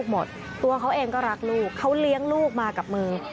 แม่รักลูกเขาเลี้ยงลูกมากับมือ